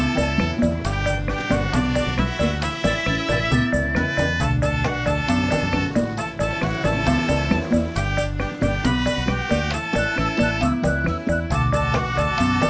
kukus bisa masak dari samara